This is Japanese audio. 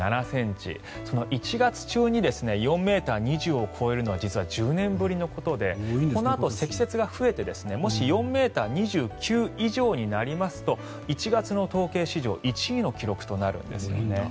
１月中に４ｍ２０ｃｍを超えるのは実は１０年ぶりのことでこのあと積雪が増えてもし４ｍ２９ｃｍ以上になりますと１月の統計史上１位の記録となるんです。